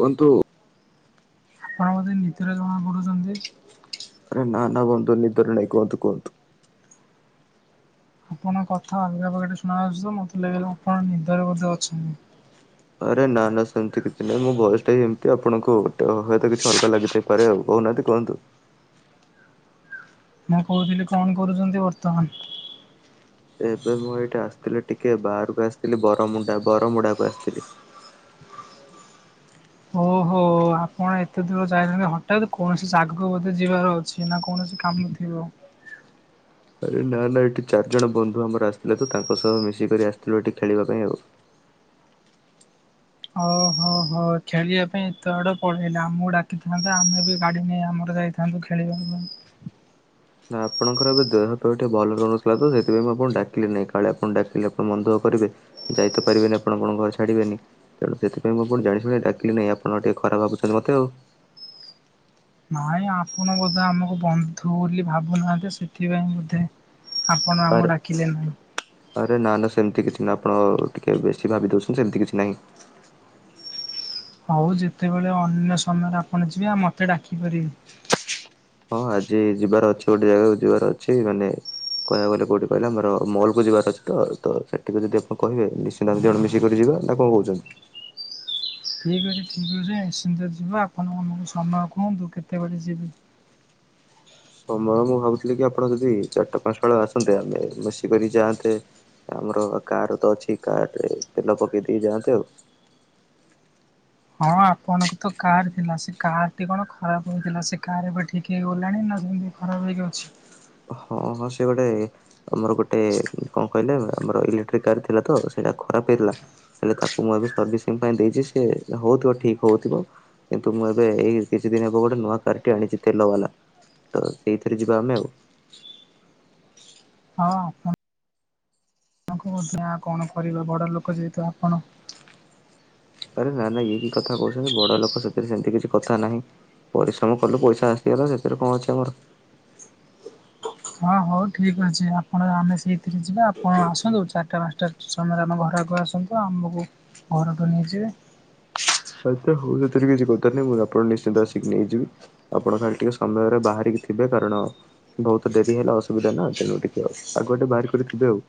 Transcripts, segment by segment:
କୁହନ୍ତୁ, ଆପଣ ବୋଧେ ନୀଦରେ ଜଣା ପଡୁଚନ୍ତି? ଆରେ ନାଁ-ନାଁ ବନ୍ଧୁ ନିଦରେ ନାଇଁ କୁହନ୍ତୁ-କୁହନ୍ତୁ, ଆପଣଙ୍କ କଥା ଆଲଗା ବାଗେରେ ଶୁଣା ଯାଉଛି ତ ମତେ ଲାଗିଲା ଆପଣ ନିଦରେ ବୋଧେ ଅଛନ୍ ଆରେ ନା-ନା ସେମିତି କିଛି ନାହିଁ ମୋ ଭଏସଟା ହି ଏମିତି ଆପଣଙ୍କୁ ହଏତ କିଛି ଅଲଗା ଲାଗିଥାଏ, ଆରେ ଆଉ କହୁନାହାଁନ୍ତି କୁହନ୍ତୁ, ମୁଁ କହୁଥିଲି କଣ କରୁଛନ୍ତି ବର୍ତ୍ତମାନ? ଏବେ ମୁଁ ଏଇଠା ଆସିଥିଲି ଟିକେ ବାହାରକୁ ଆସିଥିଲି ବରମୁଣ୍ଡା- ବରମୁଣ୍ଡା କୁ ଆସିଥିଲି, ହୋ-ହୋ ଆପ୍ କଣ ଏତେ ଦୂର ଯାଇଛନ୍ତି ହଠାତ୍ କୌଣସି ଜାଗାକୁ ବୋଧେ ଯିବାର ଅଛି ନା କୌଣସି କାମ ଥିବ, ଆରେ ନା-ନା ଏଠି ଚାରିଜଣ ବନ୍ଧୁ ଆମର ଆସିଥିଲେ ତ ତାଙ୍କ ସହ ମିଶିକରି ଆସିଥିଲୁ ଏଠି ଖେଳିବା ପାଇଁ ଆଉ, ହଉ ହୋ-ହୋ ଖେଳିବା ପାଇଁ ଏତେ ବାଟ ପଳେଇଲେ ଆମକୁ ଡାକିଥାନ୍ତେ ଆମେ ବି ଗାଡ଼ି ନେଇ ଆମର ଯାଇ ଆମକୁ ଖେଲେଇବାର ନୁହଁ, ନା ଆପଣଙ୍କର ଏବେ ଦେହ ଫେହ ଟିକେ ଭଲ ତ ଆପଣଙ୍କର ଏବେ ଦେହ ଟିକେ ଭଲ ରହୁନଥିଲା ତ ସେଥିପାଇଁ ମୁଁ ଆପଣଂକୁ ଡାକିଲି ନାଇଁ କାଳେ ଆପଣ ଡାକିଲେ ଆପଣ ମନଦୁଃଖ କରିବେ। ଯାଇ ତ ପାରିବେନି ଆପଣ ଆପଣଙ୍କ ଘରେ ଛାଡିବେନି। ତେଣୁ ସେଥିପାଇଁମୁଁ ଆପଣଙ୍କୁ ଜାଣିଶୁଣି ଡାକିଲିନି ଆପଣ ଟିକେ ଖରାପ ଭାବୁଛନ୍ତି ମୋତେ ଆଉ। ନାଇଁ ଆପଣ ବୋଧେ ଆମକୁ ବନ୍ଧୁ ବୋଲି ଭାବୁନାହାଁନ୍ତି ସେଥିପାଇଁ ବୋଧେ ଆପଣ ଆରେ ଆମକୁ ଡାକିଲେ ନାହିଁ। ଆରେ ନା ନା ସେମିତି କିଛି ନାଇଁ ଆପଣ ଟିକେ ବେଶୀ ଭାବି ଦଉଛନ୍ତି ସେମିତି କିଛି ନାହିଁ। ହଉ ଯେତେବେଳେ ଅନ୍ୟ ସମୟରେ ଆପଣ ଯିବେ ମତେ ଡାକିପାରିବେ। ହଁ ଆଜି ଯିବାର ଅଛି ଗୋଟେ ଜାଗାକୁ ଯିବାର ଅଛି ମାନେ କହିବାକୁ ଗଲେ କୋଉଠି କହିଲେ ଆମର ମହୁଲିକୁ ଯିବାର ଅଛି ତ ସେଠିକି ଯଦି ଆପଣ କହିବେ ନିଶ୍ଚ ଆମେ ଦି ଜଣ ମିଶିକରି ଯିବା ନା କଣ କହୁଛନ୍ତି? ଠିକ୍ ଅଛି ଠିକ୍ ଅଛି ନିଶ୍ଚିନ୍ତର ଯିବା। ଆପଣଙ୍କୁ ଆମକୁ ସମୟ କୁହନ୍ତୁ କେତେବେଳେ ଯିବି? ସମୟ ମୁଁ ଭାବୁଥିଲି କି ଆପଣ ଯଦି ଚାରଟା ପାଞ୍ଚଟା ବେଳୁ ଆସନ୍ତେ ଆମେ ମିଶିକରି ଯଆନ୍ତେ। ଆମର କାରତ ଅଛି କାରରେ ତେଲ ପକେଇ ଦେଇ ଯାଆନ୍ତେ ଆଉ। ହଁ ଆପଣଙ୍କ ତ କାର୍ ଥିଲା ସେ କାରଟି କଣ ଖରାପ ହେଇଥିଲା ସେ କାର୍ ଏବେ ଠିକ୍ ହେଇଗଲାଣି ନା ହେଇନି? ଖରାପ ହେଇକି ଅଛି। ହଁ ହଁ ସିଏ ଗୋଟେ ଆମର ଗୋଟେ କଣ କହିଲେ ଆମର ଇଲେକ୍ଟ୍ରିକ କାର ଥିଲା ତ ସେଇଟା ଖରାପ ହେଇଗଲା। ହେଲେ ତାକୁ ମୁଁ ଏବେ ସର୍ଭିସିଂ ପାଇଁ ଦେଇଛି ସେ ହଉଥିବ ଠିକ ହଉଥିବ। କିନ୍ତୁ ମୁଁ ଏବେ ଏଇ କିଛି ଦିନ ହେବ ଗୋଟେ ନୂଆ କାରଟେ ଆଣିଛି ତେଲ ବାଲା। ତ ସେଇଥିରେ ଯିବା ଆମେ ଆଉ। ହଁ ଆପଣ ଆଙ୍କୁ ସେଇଆ କଣ କରିବା ବଡ଼ ଲୋକ ଯେହେତୁ ଆପଣ। ଆରେ ନା ନା ଇଏ କି କଥା କହୁଛନ୍ତି ବଡ ଲୋକ ସହିତ ସେମିତି କିଛି କଥା ନାହିଁ। ପରିଶ୍ରମ କଲୁ ପଇସା ଆସିିଗଲା ସେଥିରେ କଣ ଅଛି ଆମର। ହଁ ହଉ ଠିକ୍ ଅଛି ଆପଣ ଆମେ ସେଇଥିରେ ଯିବା ଆପଣ ଆସନ୍ତୁ ଚାରିଟା ପାଞ୍ଚଟା ସମୟରେ ଆମ ଘର ଆଗକୁ ଆସନ୍ତୁ। ଆସନ୍ତୁ ଆମକୁ ଘରଠୁ ନେଇଯିବେ। ଆଚ୍ଛା ହଉ ସେଥିରେ କିଛି କଥା ନାହିଁ ମୁଁ ଆପଣଙ୍କୁ ନିଶ୍ଚିନ୍ତ ଆସିକି ନେଇଯିବି। ଆପଣ ଖାଲି ଟିକେ ସମୟରେ ବାହାରିକି ଥିବେ କାରଣ ବହୁତ ଡରି ହେଲେ ଅସୁବିଧା ନା ତେଣୁ ଟିକେ ଆଉ ଆଗ ଗୋଟେ ବାହାର କରିଥିବେ ଆଉ।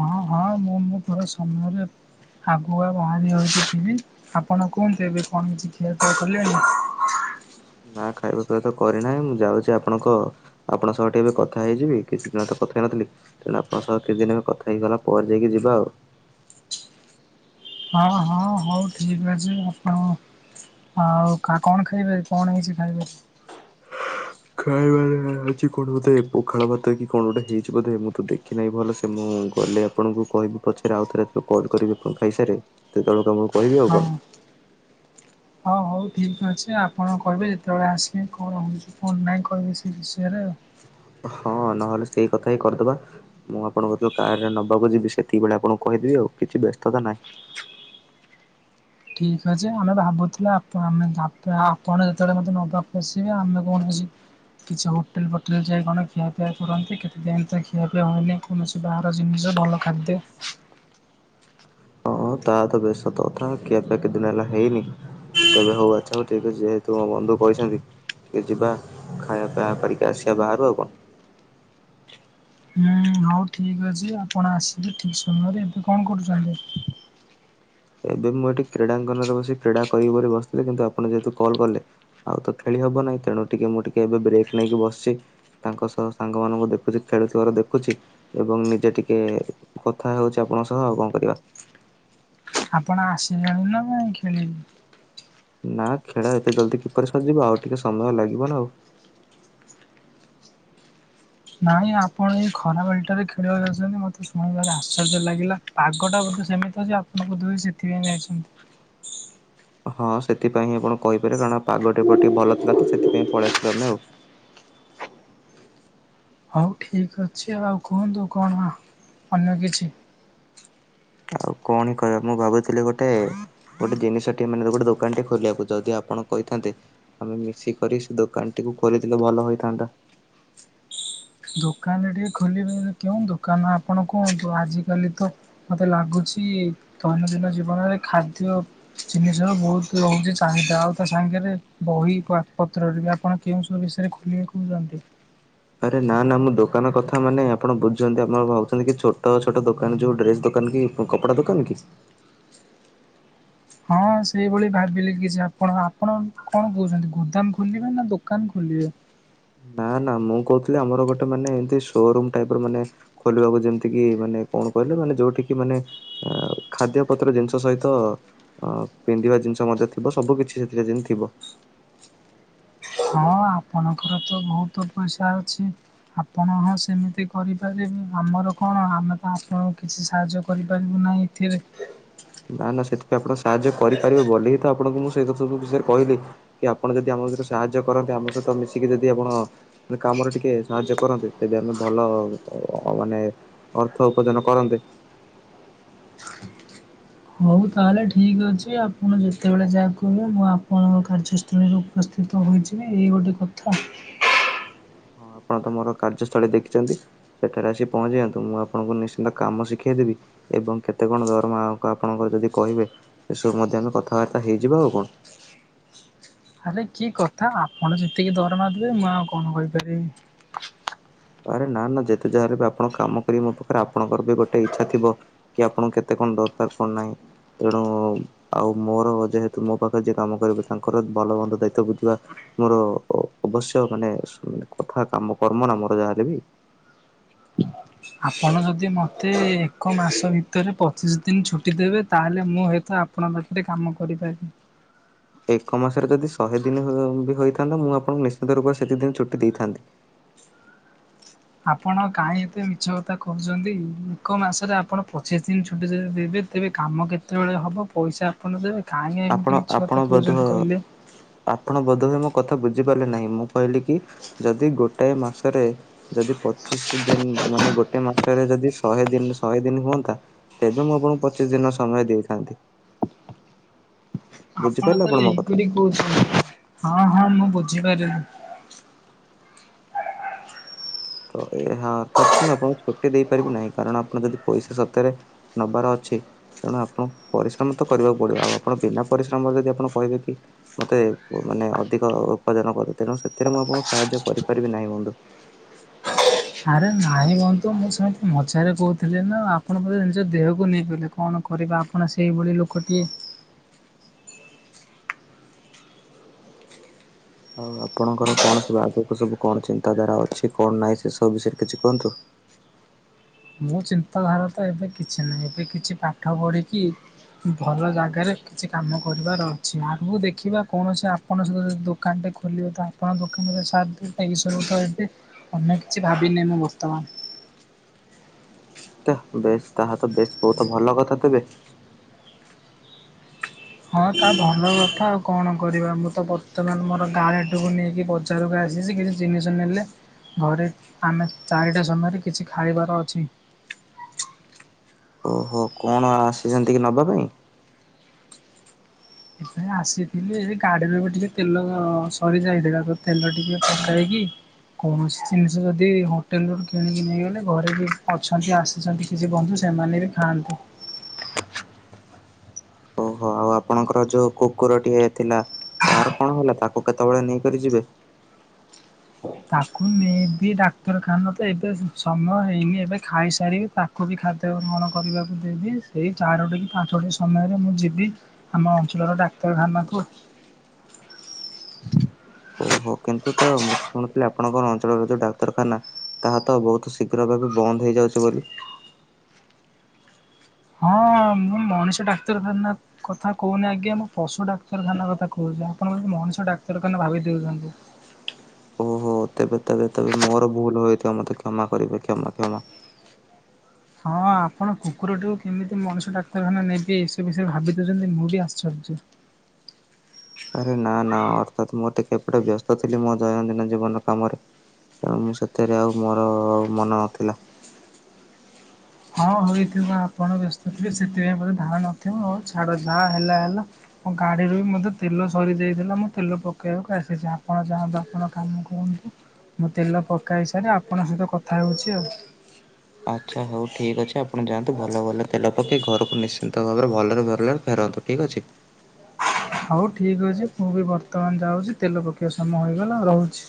ହଁ, ହଁ ମୁଁ, ମୁଁ ମୋର ସମୟରେ ଆଗୁଆ ବାହାରି ରହିକି ଥିବି, ଆପଣ କୁହନ୍ତୁ ଏବେ କଣ କିଛି ଖିଆପିଆ କଲେଣି? ନା ଖାଇବା ପିଇବା ତ କରିନାହିଁ ମୁଁ ଯାଉଛି ଆପଣଙ୍କ ଆପଣଙ୍କ ସହ ଟିକେ ଏବେ କଥା ହେଇଯିବି କିଛି ଦିନ ତ କଥା ହେଇନଥିଲି? ତେଣୁ ଆପଣଙ୍କ ସହ କିଛି ଦିନ ଆମେ କଥା ହେଇଗଲା ପରେ ଯାଇକି ଯିବା ଆଉ? ହଁ ହଁ ହଉ ଠିକ୍ ଅଛି ଆପଣ ହଁ ଆଉ କଣ ଖାଇବେ କଣ ହେଇଛି ଖାଇବେ? ଖାଇବାର ଅଛି କଣ ବୋଧେ ପଖାଳ ଭାତ କି କଣ ଗୋଟେ ହେଇଛି ବୋଧେ ମୁଁ ତ ଦେଖି ନାହିଁ ଭଲ ସେ ମୁଁ ଗଲେ ଆପଣଙ୍କୁ କହିବି ପଛରେ ଆଉଥ ରାତିରେ କଲ୍ କରିବିଣ ଖାଇସାରାରେ ସେତେବେଳକୁ ଆମକୁ କହିବି ଆଉ ହଁ କଣ? ହଁ ହଉ ଠିକ୍ ଅଛି ଆପଣ କହିବେ ଯେତେବେଳେ ଆସିବେ କଣ ହେଉଛି ଫୋନ୍ ନାହିଁ କହିବେ ସେ ବିଷୟରେ ଆଉ? ହଁ ନହେଲେ ସେଇ କଥା ହିଁ କରିଦବା। ମୁଁ ଆପଣଙ୍କୁ ଯେତେବେଳେ କାର ରେ ନେବାକୁ ଯିବି ସେତିକିବଳେ ଆପଣଙ୍କୁ କହିଦେବି ଆଉ କିଛି ବ୍ୟସ୍ତତା ନାହିଁ। ଠିକ ଅଛି ଆମେ ଭାବୁଥିଲୁ ଆମେ ଆପ ଆପଣ ଯେତେବେଳେ ମତେ ନେବାକୁ ଆସିବେ ଆମେ କୌଣସି କିଛି ହୋଟେଲ ଫୋଟେଲ୍ ଯାଇଏ କଣ ଖିଆପିଆ କରନ୍ତି କେତେଦିନ ତ ଖିଆପିଆ ହୁଏନି। କୌଣସି ବାହାର ଜିନିଷ ଭଲ ଖାଦ୍ୟ ହଁ ତା ତ ବି ସତ କଥା କିଏବେ କେତେ ଦିନ ହେଲା ହେଇନି। ତବେ ହଉ ଆଚ୍ଛା ହଉ ଠିକ ଅଛି ଯେହେତୁ ମୋ ବନ୍ଧୁ କହିଛନ୍ତି ଟି ଯିବା ଖାଇବା ପିଆ କରିକି ଆସିବା ବାହାରୁ ଆଉ କଣ। ହୁଁ ହଉ ଠିକ୍ ଅଛି ଆପଣ ଆସିବେ ଠିକ୍ ସମୟରେ ଏବେ କଣ କରୁଚନ୍ତି। ଏବେ ମୁଁ ଏଠି କ୍ରୀଡ଼ାଙ୍କନରେ ବସି କ୍ରୀଡ଼ା କରିବ ବୋଲି ବସିଥିଲି କିନ୍ତୁ ଆପଣ ଯେହେତୁ କଲ୍ କଲେ ଆଉ ତ ଖେଳି ହବ ନାହିଁ ତେଣୁ ଟିକେ ମୁଁ ଟିକେ ଏବେ ବ୍ରେକ୍ ନେଇକି ବସିଛି। ତାଙ୍କ ସହ ସାଙ୍ଗମାନଙ୍କୁ ମୁଁ ଦେଖୁଛି ଖେଳୁଥିବାର ଦେଖୁଛି। ଏବଂ ନିଜେ ଟିକେ କଥା ହଉଛି ଆପଣଙ୍କ ସହ ଆଉ କଣ କରିବା। ଆପଣ ଆସିିଲେଣି ନା ନାଇଁ ଖେଳିବେ। ନା ଖେଳ ଏତେ ଜଲ୍ଦି କିପରି ସରିଜିବ ଆଉ ଟିକେ ସମୟ ଲାଗିବ ନା ଆଉ। ନାଇଁ ଆପଣ ଏଇ ଖରା ବେଳଟାରେ ଖେଳିବାକୁ ଯାଉଛନ୍ତି ମୋତେ ଶୁଣିକି ଭାରି ଆଶ୍ଚର୍ଯ୍ୟ ଲାଗିଲା। ପାଗଟା ବୋଧେ ସେମିତି ଅଛି ଆପଣ ବୋଧହୁଏ ସେଥିପାଇଁ ଯାଇଛନ୍ତି। ହଁ ସେଥିପାଇଁ ଆପଣ କହିପାରିବେ କାରଣ ପାଗଟି ଟିକେ ଭଲ ଥିଲା ତ ସେଥିପାଇଁ ପଳେଇ ଆସିଲୁ ଆମେ ଆଉ। ହଉ ଠିକ୍ ଅଛି ଆଉ କୁହନ୍ତୁ କଣ ଅନ୍ୟ କିଛି। ଆଉ କଣ କହିବା ମୁଁ ଭାବୁଥିଲି ଗୋଟେ ଗୋଟେ ଜିନିଷ ଟେ ମାନେ ଗୋଟେ ଦୋକାନ ଟେ ଖୋଲିବାକୁ ଯଦି ଆପଣ କହିଥାନ୍ତେ ଆମେ ମିଶିକରି ସେ ଦୋକାନ ଟିକୁ ଖୋଲିଥିଲେ ଭଲ ହୋଇଥାନ୍ତା। ଦୋକାନ ଟିକେ ଖୋଲିବେ କେଉଁ ଦୋକାନ ଆପଣ କୁହନ୍ତୁ ଆଜିକାଲି ତ ମତେ ଲାଗୁଚି ଦୈନନ୍ଦିନ ଜୀବନରେ ଖାଦ୍ୟ ଜିନିଷର ବହୁତ ରହୁଛି ଚାହିଦା ଆଉ ତା ସାଙ୍ଗରେ ବହି ପତ୍ରରେ ବି ଆପଣ କେଉଁ ସବୁ ବିଷୟରେ ଖୋଲିବେ କହୁଛନ୍ତି। ଆରେ ନା ନା ମୁଁ ଦୋକାନ କଥା ମାନେ ଆପଣ ବୁଝୁଛନ୍ତି ଆପଣ ଭାବୁଛନ୍ତି କି ଛୋଟ ଛୋଟ ଦୋକାନ ଯୋଉ ଡ୍ରେସ୍ ଦୋକାନ କି କପଡ଼ା ଦୋକାନ କି? ହଁ ସେଇଭଳି ଭାବିଲି କିଛି ଆପଣ ଆପଣ କଣ କହୁଛନ୍ତି ଗୋଦାମ ଖୋଲିବେ ନା ଦୋକାନ ଖୋଲିବେ? ନା ନା ମୁଁ କହୁଥିଲି ଆମର ଗୋଟେ ମାନେ ଏମତି ସୋରୁମ ଟାଇପ ର ମାନେ ଖୋଲିବାକୁ ଯେମିତି କିି ମାନେ କଣ କହିଲେ ମାନେ ଯୋଉଠ କିି ମାନେ ଆ ଖାଦ୍ୟ ପତ୍ର ଜିନିଷ ସହିତ ଅ ପିନ୍ଧିବା ଜିନିଷ ମଧ୍ୟ ଥିବ ସବୁ କିଛି ସେଥିରେ ଯେମିତି ଥିବ। ହଁ ଆପଣଙ୍କର ତ ବହୁତ ପଇସା ଅଛି। ଆପଣ ହଁ ସେମିତି କରିପାରିବେ ଆମର କଣ ଆମେ ତ ଆପଣଙ୍କୁ କିଛି ସାହାଯ୍ୟ କରିପାରିବୁ ନାହିଁ। [unintelligible] ନା ନା ସେଥିପାଇଁ ଆପଣ ସାହାଯ୍ୟ କରିପାରିବେ ବୋଲି ହିଁ ତ ଆପଣଙ୍କୁ ମୁଁ ସେ କଥା ସବୁ ବିଷୟରେ କହିଲି। କି ଆପଣ ଯଦି ଆମ ଭିତରେ ସାହାଯ୍ୟ କରନ୍ତେ ଆମ ସହିତ ମିଶିକି ଯଦି ଆପଣ କାମରେ ଟିକେ ସାହାଯ୍ୟ କରନ୍ତେ ତେବେ ଆମେ ଭଲ ମାନେ ଅର୍ଥ ଉପାର୍ଜନ କରନ୍ତେ। ହଉ ତାହେଲେ ଠିକ ଅଛି ଆପଣ ଯେତେବେଳେ ଯାହା କହିବେ ମୁଁ ଆପଣଙ୍କ କାର୍ଯ୍ୟ ଶ୍ରେଣୀରେ ଉପସ୍ଥିତ ହୋଇଯିବି ଇଏ ଗୋଟେ କଥା। ହଁ ଆପଣ ତ ମୋର କାର୍ଯ୍ୟସ୍ଥଳୀ ଦେଖିଛନ୍ତି। ସେଠାରେ ଆସି ପହଞ୍ଚିଯାଆନ୍ତୁ ମୁଁ ଆପଣଙ୍କୁ ନିଶ୍ଚିନ୍ତ କାମ ଶିଖେଇ ଦେବି। ଏବଂ କେତେ କଣ ଦରମା ଆପଣଙ୍କର ଯଦି କହିବେ ସେ ସବୁ ମଧ୍ୟ ଆମେ କଥାବାର୍ତ୍ତା ହେଇଯିବା ଆଉ କଣ। ଆରେ କି କଥା ଆପଣ ଯେତିକି ଦରମା ଦେବେ ମୁଁ ଆଉ କଣ କହିପାରିବି। ଆରେ ନା ନା ଯେତେ ଯାହା ହେଲେ ବି ଆପଣ କାମ କରିବେ ମୋ ପାଖରେ ଆପଣଙ୍କର ବି ଗୋଟେ ଇଚ୍ଛା ଥିବ। କି ଆପଣଙ୍କୁ କେତେ କଣ ଦରକାର କଣ ନାହିଁ। ତେଣୁ ଆଉ ମୋର ଯେହେତୁ ମୋ ପାଖରେ ଯିଏ କାମ କରିବ ତାଙ୍କର ଭଲ ମନ୍ଦ ଦାୟିତ୍ୱ ବୁଝିବା ମୋର ଅ ଅବଶ୍ୟ ମାନେ କଥା କାମ କର୍ମ ନା ମୋର ଯାହାହେଲେ ବି। ଆପଣ ଯଦି ମୋତେ ଏକ ମାସ ଭିତରେ ପଚିଶ ଦିନ ଛୁଟି ଦେବେ ତାହେଲେ ମୁଁ ହୁଏତ ଆପ ଆପଣଙ୍କ କତି ରେ କାମ କରିପାରିବି ଏକ ମାସରେ ଯଦି ଶହେ ଦିନ ବି ହୋଇଥାନ୍ତା ମୁଁ ଆପଣଙ୍କୁ ନିଶ୍ଚିନ୍ତ ରୂପ ସେତି ଦିନ ଛୁଟି ଦେଇଥାନ୍ତି। ଆପଣ କାହିଁ ଏତେ ମିଛ କଥା କହୁଛତ୍ନ୍ତି ଏକ ମାସରେ ଆପଣ ପଚିଶ ଦିନ ଛୁଟି ଯଦି ଦେବେ ତେବେ କାମ କେତେବେଳେ ହେବ ପଇସା ଆପଣ ଦେବେ କାହିଁକ ଆପଣ ଏମିତି ମିଛି ଆପଣ କଥା ବୋଧ କହୁଛନ୍ତି କହିଲେ। ଆପଣ ବୋଧହୁଏ ମୋ କଥା ବୁଝିପାରିଲେ ନାହିଁ ମୁଁ କହିଲି କି ଯଦି ଗୋଟାଏ ମାସରେ ଯଦି ପଚିଶ ଦିନ ମାନେ ଗୋଟେ ମାସରେ ଯଦି ଶହେ ଦିନ ଶହେ ଦିନ ହୁଅନ୍ତା ତବେ ମୁଁ ଆପଣଙ୍କୁ ପଚିଶ ଦିନ ସମୟ ଦେଇଥାନ୍ତି। ଆପଣ ବୁଝିପାରିଲେ ତାହେଲେ ମୋ କଥା ଏଇପରି କହୁଛନ୍ତି ହଁ ହଁ ମୁଁ ବୁଝିପାରିଲି। ତ ଏହା ଅର୍ଥାତ୍ କି ମୁଁ ଆପଣଙ୍କୁ ଛୁଟି ଦେଇପାରିବି ନାହିଁ କାରଣ ଆପଣ ଯଦି ପଇସା ସତରେ ନବାର ଅଛି ତେଣୁ ଆପଣଙ୍କୁ ପରିଶ୍ରମ ତ କରିବାକୁ ପଡିବ ଆଉ ଆପଣ ବିନା ପରିଶ୍ରମରେ ଯଦି ଆପଣ କହିବେ କି? ମୋତେ ମାନେ ଅଧିକ ଉପାର୍ଜନ କର ତେଣୁ ସେଥିରେ ମୁଁ ଆପଣଙ୍କୁ ସାହାଯ୍ୟ କରିପାରିବି ନାହିଁ ବନ୍ଧୁ। ଆରେ ନାଇଁ ବନ୍ଧୁ ମୁଁ ସେମିତି ମଜାରେ କହୁଥିଲି ନା ଆପଣ ବୋଧେ ନିଜ ଦେହକୁ ନେଇଗଲେ। କଣ କରିବା ଆପଣ ସେଇଭଳି ଲୋକଟିଏ। ଆଉ ଆପଣଙ୍କର କଣ ସବୁ ଆଗକୁ ସବୁ କଣ ଚିନ୍ତାଧାରା ଅଛି କଣ ନାହିଁ ସେ ସବୁ ବିଷୟରେ କିଛି କୁହନ୍ତୁ। ମୋ ଚିନ୍ତାଧାରା ତ ଏବେ କିଛି ନାହିଁ ଏବେ କିଛି ପାଠ ପଢ଼ିକି ଭଲ ଜାଗାରେ କିଛି କାମ କରିବାର ଅଛି ଆଗକୁ ଦେଖିବା କୌଣସି ଆ ଆପଣଙ୍କ ସହିତ ଯଦି ଦୋକାନ ଟେ ଖୋଲିବେ ତ ଆପଣ ଙ୍କ ଦୋକାନରେ ସାଥ୍ ଦେ ଏ ବିସରଭୁକ୍ତ ହେବି। ଅନ୍ୟ କିଛି ଭାବିନି ମୁଁ ବର୍ତ୍ତମାନ। ତାହା ବେଶ ତାହା ତ ବେଶ ବହୁତ ଭଲ କଥା ତେବେ। ହଁ ତା ଭଲ କଥା ଆଉ। କଣ କରିବା ମୁଁ ତ ବର୍ତ୍ତମାନ ମୋର [unintelligible] ଟି କୁ ନେଇକି ବଜାରକୁ ଆସିଛି କିଛି ଜିନିଷ ନେଲେ ଘରେ ଆମେ ଚାରିଟା ସମୟରେ କିଛି ଖାଇବାର ଅଛି। ଓହୋ କଣ ଆସିଛନ୍ତି କି ନବା ପାଇଁ? ଏ ଆସିଥିଲେ ଏ ଗାଡି ରେ ଗୋଟେ ଟିକେ ତେଲ ସରିଯାଇଥିଲା ତ ତେଲ ଟିକେ ପକାଇକି କୌଣସି ଜିନିଷ ଯଦି ହୋଟେଲରୁ କିଣିକି ନେଇଗଲେ ଘରେ କିଏ ଅଛନ୍ତି ଆସ୍ ଅଛନ୍ତି କିଛି ବନ୍ଧୁ ସେମାନେ ବି ଖାଆନ୍ତି। ଓହୋ ଆଉ ଆପଣଙ୍କର ଯୋଉ କୁକୁର ଟିଏ ଥିଲା ତାର କଣ ହେଲା ତାକୁ କେତେବେଳେ ନେଇକରି ଯିବେ? ତାକୁ ନେଇବି ଡାକ୍ତରଖାନା ତ ଏବେ ସମୟ ହେଇନି ଏବେ ଖାଇସାରିବି ତା ତାକୁବି ଖାଦ୍ୟ ଗ୍ରହଣ କରିବାକୁ ଦେବି ସେଇ ଚାରୋଟି କି ପାଞ୍ଚଟି ସମୟରେ ମୁଁ ଯିବି। ଆମ ଅଞ୍ଚଳର ଡାକ୍ତରଖାନାକୁ। ଓହୋ କିନ୍ତୁ ତ ମୁଁ ତ ଶୁଣିଥିଲି ଆପଣଙ୍କର ଅଞ୍ଚଳରେ ଯୋଉ ଡାକ୍ତରଖାନା ତାହା ତ ବହୁତ ଶୀଘ୍ର ଏବେ ଏବେ ବନ୍ଦ ହେଇଯାଉଚି ବୋଲି। ହଁ ମୁଁ ମଣିଷ ଡାକ୍ତରଖାନା କଥା କହୁନି ଆଜ୍ଞା ମୁଁ ପଶୁ ଡାକ୍ତରଖାନା କଥା କହୁଚି ଆପଣ ବୋଧେ ମଣିଷ ଡାକ୍ତରଖାନା ଭାବି ଦେଉଚନ୍ତି। ହ ତେବେ ତେବେ ତେବେ ମୋର ଭୁଲ ହୋଇଥିବ ମୋତେ କ୍ଷମା କରିବେ କ୍ଷମା କ୍ଷମା। ହଁ ଆପଣ କୁକୁର ଟିକୁ କେମିତି ମଣିଷ ଡାକ୍ତରଖାନା ନେବି ସେ ବିଷୟରେ ଭାବି ଦେଉଚନ୍ତି ମୁଁ ବି ଆଶ୍ଚର୍ଯ୍ୟ। ଆରେ ନା ନା ଅର୍ଥାତ ମୁଁ ଟିକେ ଏପଟେ ବ୍ୟସ୍ତ ଥିଲି ମୋ ଦୈନନ୍ଦିନ ଜୀବନ କାମରେ। ତେଣୁ ମୁଁ ସେଥିରେ ଆଉ ମୋର ମନ ନଥିଲା। ହଁ ହୋଇଥିବ ଆପଣ ବ୍ୟସ୍ତ ଥିବେ ସେଥିପାଇଁ ବୋଧେ ଧାର ନଥିବ ହଉ ଛାଡ଼ ଯାହା ହେଲା ହେଲା। ମୋ ଗାଡ଼ିରୁ ବି ମୋତେ ତେଲ ସରିଯାଇଥିଲା ମୁଁ ତେଲ ପକେଇବାକୁ ଆସିଚି ଆପଣ ଯାଆନ୍ତୁ ଆପଣ କାମ କରନ୍ତୁ। ମୁଁ ତେଲ ପକାଇ ସାରି ଆପଣଙ୍କ ସହିତ କଥା ହେଉଚି ଆଉ। ଆଚ୍ଛା ହଉ ଠିକ୍ ଅଛି ଆପଣ ଯାଆନ୍ତୁ ଭଲରେ ଭଲରେ ତେଲ ପକେଇ ଘରକୁ ନିଶ୍ ସୁସ୍ଥ ଭାବରେ ଭଲରେ ଭଲରେ ଫେରନ୍ତୁ ଠିକ୍ ଅଛି। ହଉ ଠିକ ଅଛି ମୁଁ ବି ବର୍ତ୍ତମାନ ଯାଉଛି ତେଲ ପକେଇବା ସମୟ ହେଇଗଲା ରହୁଛି।